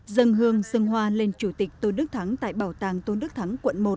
dân hương dân hoa lên chủ tịch tôn đức thắng tại bảo tàng tôn đức thắng quận một